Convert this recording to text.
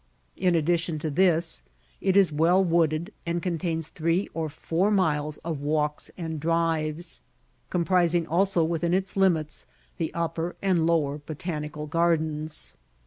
In addition to this, it is well wooded and contains three or four miles of walks and drives, comprising also within its limits the Upper and Lower Botanical Gardens.